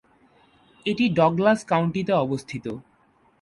এটি ডগলাস কাউন্টিতে অবস্থিত।